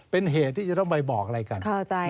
เป็นเหตุที่จะต้องไปบอกอะไรกัน